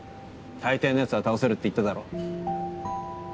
大抵の奴は倒せるって言っただろ？